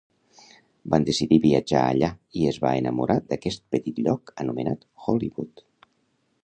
Van decidir viatjar allà i es va enamorar d'aquest petit lloc anomenat Hollywood.